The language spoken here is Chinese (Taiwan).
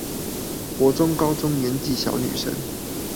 國中高中年紀小女生